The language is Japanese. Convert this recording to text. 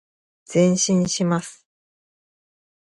前進します。